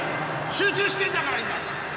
集中してんだから今。